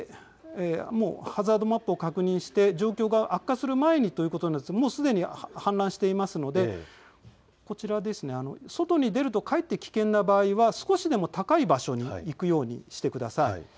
ハザードマップを確認して状況が悪化する前にということなのですがもうすでに氾濫しているので外に出るとかえって危険な場合は少しでも高い場所に行くようにしてください。